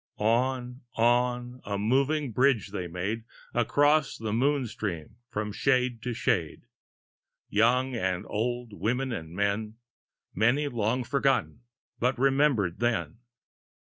On, on, a moving bridge they made Across the moon stream, from shade to shade, Young and old, women and men; Many long forgot, but remember'd then.